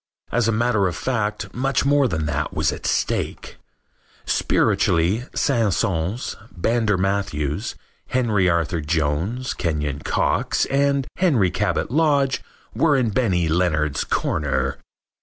As a matter of fact much more than that was at stake. Spiritually, Saint Saens, Brander Matthews, Henry Arthur Jones, Kenyon Cox, and Henry Cabot Lodge were in Benny Leonard's corner.